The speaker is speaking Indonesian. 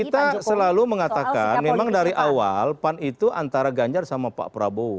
kita selalu mengatakan memang dari awal pan itu antara ganjar sama pak prabowo